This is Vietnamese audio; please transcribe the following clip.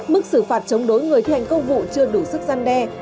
mức xử phạt chống đối người thi hành công vụ chưa đủ sức gian đe